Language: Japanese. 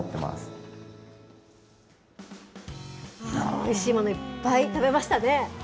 おいしいもの、いっぱい食べましたね。